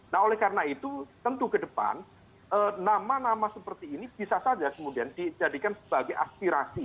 nah oleh karena itu tentu ke depan nama nama seperti ini bisa saja kemudian dijadikan sebagai aspirasi